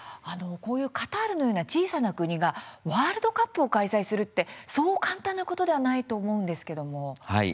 カタールのような小さな国がワールドカップを開催するってそう簡単なことではないと思うんですけれども。